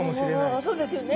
ああそうですよね。